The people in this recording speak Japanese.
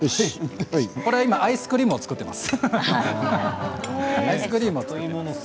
これは今、アイスクリームを作っています。